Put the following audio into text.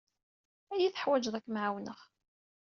Ad iyi-teḥwijeḍ ad kem-ɛawneɣ.